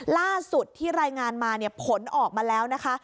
ล่าสุดที่รายงานมาเนี่ยผลออกมาแล้วนะคะ